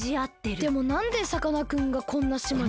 でもなんでさかなクンがこんな島に？